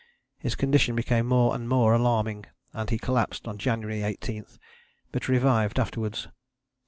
His condition became more and more alarming, and he collapsed on January 18, but revived afterwards.